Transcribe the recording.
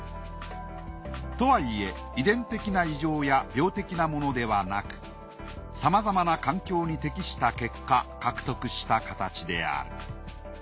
とはいえ遺伝的な異常や病的なものではなくさまざまな環境に適した結果獲得した形である。